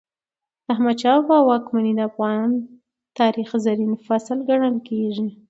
د احمد شاه بابا واکمني د افغان تاریخ زرین فصل ګڼل کېږي.